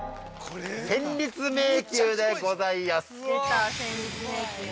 「戦慄迷宮」でございやす。